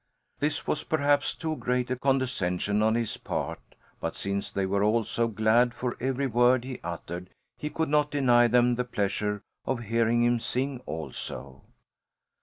This was perhaps too great a condescension on his part, but since they were all so glad for every word he uttered he could not deny them the pleasure of hearing him sing, also.